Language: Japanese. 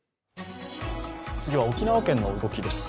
次は沖縄県の動きです。